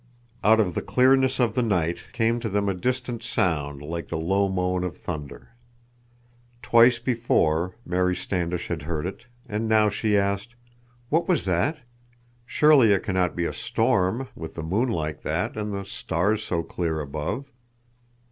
Out of the clearness of the night came to them a distant sound like the low moan of thunder. Twice before, Mary Standish had heard it, and now she asked: "What was that? Surely it can not be a storm, with the moon like that, and the stars so clear above!"